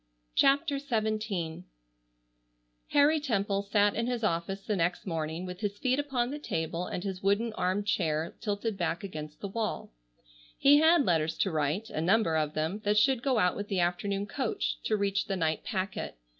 CHAPTER XVII Harry Temple sat in his office the next morning with his feet upon the table and his wooden armed chair tilted back against the wall. He had letters to write, a number of them, that should go out with the afternoon coach, to reach the night packet.